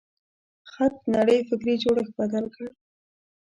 خط د نړۍ فکري جوړښت بدل کړ.